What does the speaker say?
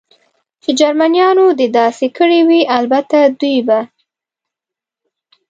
چې جرمنیانو دې داسې کړي وي، البته دوی به.